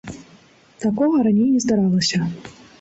Такога раней не здаралася.